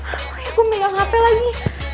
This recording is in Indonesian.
pokoknya gue megang hp lagi